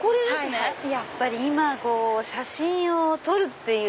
やっぱり今写真を撮るっていう。